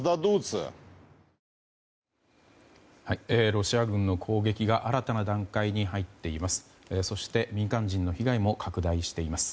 ロシア軍の攻撃が新たな段階に入っています。